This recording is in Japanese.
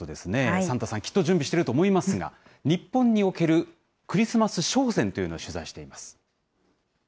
サンタさん、きっと準備していると思いますが、日本におけるクリスマス商戦というのを取材しています。